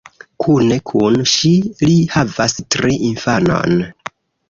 Kune kun ŝi li havas tri infanon.